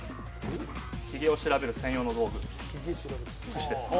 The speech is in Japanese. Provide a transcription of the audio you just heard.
ヒゲを調べる専用のくしです。